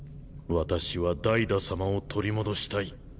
私はダイダ様を取り戻したい。